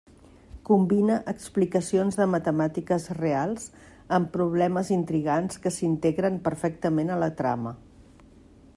Combina explicacions de matemàtiques reals amb problemes intrigants que s'integren perfectament a la trama.